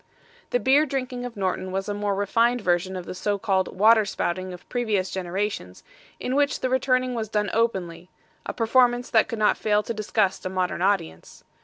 The beer drinking of Norton was a more refined version of the so called water spouting of previous generations, in which the returning was done openly, a performance that could not fail to disgust a modern audience.